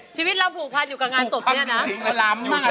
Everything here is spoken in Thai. ชีวิตเราผูกพันอยู่กับงานศพเนี่ยนะ